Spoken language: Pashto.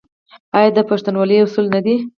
آیا دا د پښتونولۍ اصول نه دي؟